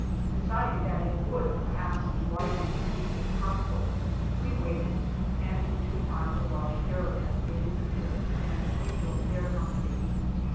De ciding that it would perhaps be wiser to heed his counsel, we waited and in due time the large caravan made its appearance and we joined their company.